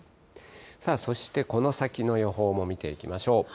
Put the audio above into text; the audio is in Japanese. さあ、そしてこの先の予報も見ていきましょう。